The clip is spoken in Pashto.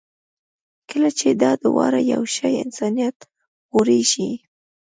کله چې دا دواړه یو شي، انسانیت غوړېږي.